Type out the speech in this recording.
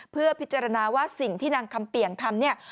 เพื่อพิจารณาว่าสิ่งที่นางคำเปี่ยงทำเนี่ย